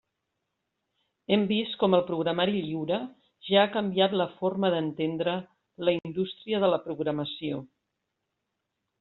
Hem vist com el programari lliure ja ha canviat la forma d'entendre la indústria de la programació.